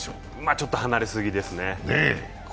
ちょっと離れすぎですね。